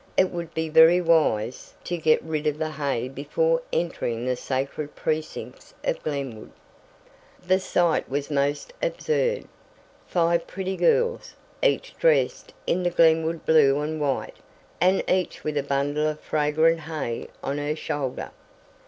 It would be very wise to get rid of the hay before entering the sacred precincts of Glenwood. The sight was most absurd. Five pretty girls, each dressed in the Glenwood blue and white, and each with a bundle of fragrant hay on her shoulder.